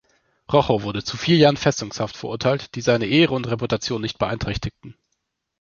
Rochow wurde zu vier Jahren Festungshaft verurteilt, die seine Ehre und Reputation nicht beeinträchtigten.